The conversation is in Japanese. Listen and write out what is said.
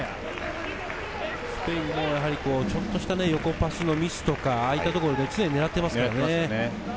スペインもちょっとした横パスのミスとか、空いたところを常に狙っています。